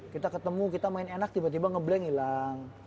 kita ketemu kita main enak tiba tiba ngebleng hilang